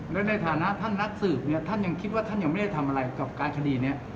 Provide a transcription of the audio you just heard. แล้วในฐานะท่านนักสืบเนี่ยท่านยังคิดว่าท่านยังไม่ได้ทำอะไรกับการคดีนี้